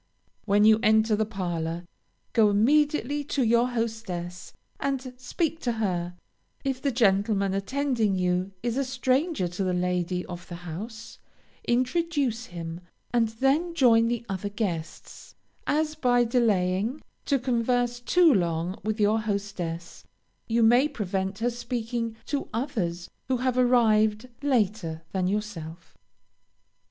When you enter the parlor, go immediately to your hostess, and speak to her; if the gentleman attending you is a stranger to the lady of the house, introduce him, and then join the other guests, as by delaying, to converse too long with your hostess, you may prevent her speaking to others who have arrived later than yourself.